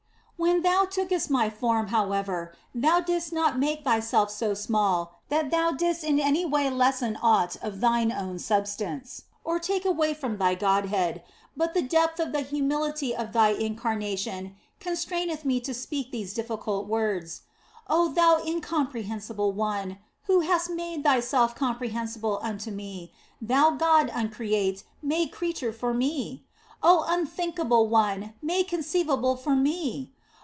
When Thou tookest my form, however, Thou didst not make Thyself so small that Thou didst in any way lessen aught of Thine own substance, or take away from Thy Godhead, but the depth of the humility of Thy Incarnation constraineth me to speak these difficult words. Oh Thou Incomprehensible One, who hast made Thyself comprehensible unto me, Thou God Uncreate made creature for me ! Oh Unthinkable One, made conceivable for me